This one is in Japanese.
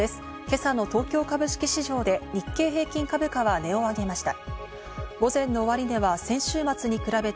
今朝の東京株式市場で日経平均株価は値を上げました。